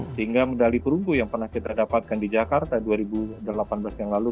sehingga medali perunggu yang pernah kita dapatkan di jakarta dua ribu delapan belas yang lalu